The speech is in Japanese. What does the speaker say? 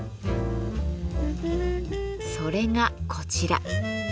それがこちら。